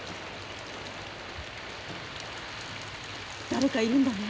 誰かいるんだね？